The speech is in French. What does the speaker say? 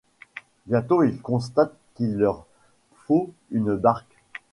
Bientôt, ils constatent qu'il leur faut une barque.